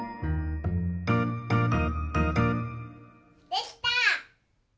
できた！